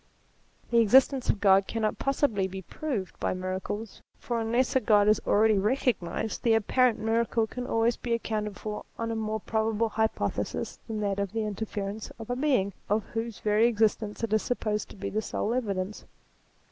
The existence of God cannot possibly be proved by miracles, for unless a God is already recognized, the apparent miracle can always be accounted for on a more probable hypothesis than that of the inter ference of a Being of whose very existence it is supposed to be the sole evidence.